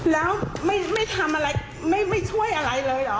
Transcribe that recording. แล้วไม่ช่วยอะไรเลยเหรอ